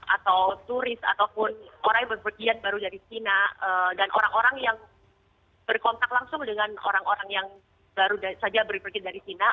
atau turis ataupun orang yang berpergian baru dari china dan orang orang yang berkontak langsung dengan orang orang yang baru saja pergi dari china